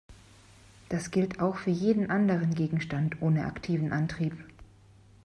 Das gilt auch für jeden anderen Gegenstand ohne aktiven Antrieb.